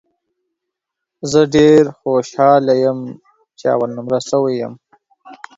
زه ډېر خوشاله یم ، چې اول نمره سوی یم